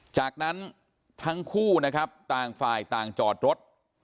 จากนั้นทั้งคู่นะครับต่างฝ่ายต่างจอดรถ